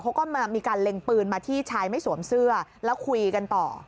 เขาก็มีการเล็งปืนมาที่ชายไม่สวมเสื้อแล้วคุยกันต่อ